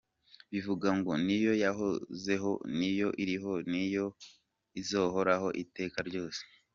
Bivuga ngo niyo yahozeho, niyo iriho ni nayo izahoraho iteka ryose.